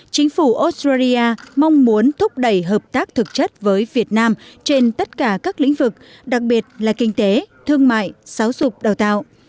chính phủ australia mong muốn thúc đẩy hợp tác thực chất với việt nam trên tất cả các lĩnh vực đặc biệt là kinh tế thương mại xáo dục đào tạo